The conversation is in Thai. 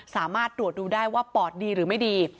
สามารถตรวจดูได้ว่าปอดดีหรือไม่ดี